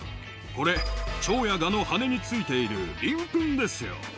これ、チョウやガの羽についている鱗粉ですよ。